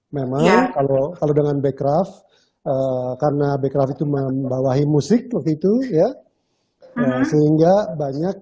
memang kalau dengan becraft karena becraf itu membawahi musik waktu itu ya sehingga banyak